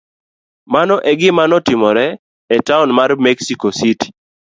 Mano e gima notimore e taon mar Mexico City.